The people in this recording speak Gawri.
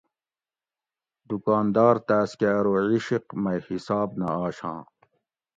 دُکاندار تاۤس کہ ارو عشق مئ حِساب نہ آشاں